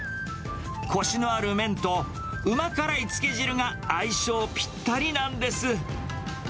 こしのある麺と、うま辛いつけ汁が相性ぴったりなんです。